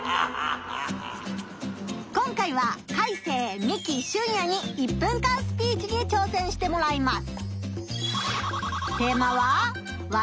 今回はカイセイミキシュンヤに１分間スピーチに挑戦してもらいます。